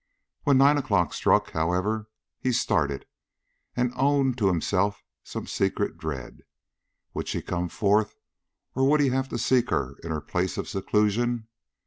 When nine o'clock struck, however, he started, and owned to himself some secret dread. Would she come forth or would he have to seek her in her place of seclusion?